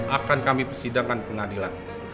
akan kami persidangkan pengadilan